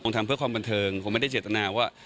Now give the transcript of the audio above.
ผมทำเพื่อความบันเทิงคงไม่ได้เจตนาว่า